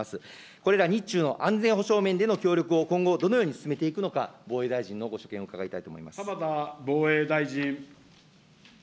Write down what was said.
これら日中の安全保障面での協力を今後どのように進めていくのか、防衛大臣のご所見を伺いたいと思います。